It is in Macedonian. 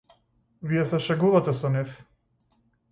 Вие се шегувате со нив.